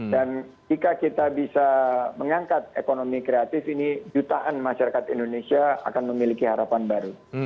dan jika kita bisa mengangkat ekonomi kreatif ini jutaan masyarakat indonesia akan memiliki harapan baru